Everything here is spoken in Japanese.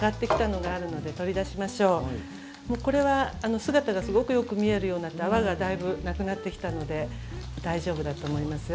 もうこれは姿がすごくよく見えるようになって泡がだいぶなくなってきたので大丈夫だと思いますよ。